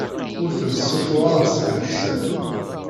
Ur ten-ssuffuɣeɣ seg leḥsab.